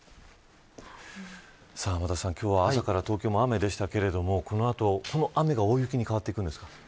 天達さん、今日は朝から東京も雨でしたがこのあと、その雨が大雪に変わっていくんですか。